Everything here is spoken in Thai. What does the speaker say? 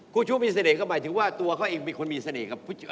ชู้มีเสน่ห์ก็หมายถึงว่าตัวเขาเองเป็นคนมีเสน่ห์กับ